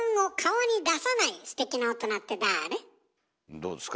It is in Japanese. どうですか？